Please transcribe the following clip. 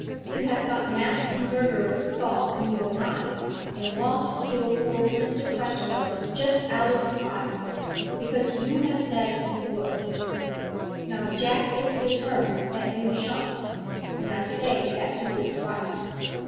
You have got nasty murderous thoughts in your mind, and want to kill poor Mr Crasweller, just out of pride, because you have said you would. Now, Jack is determined that you shan't, and I say that he is right.